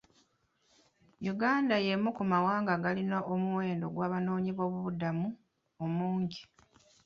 Uganda y'emu ku mawanga agalina omuwendo gw'Abanoonyiboobubudamu omungi.